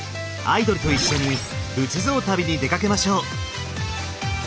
アイドルと一緒に仏像旅に出かけましょう。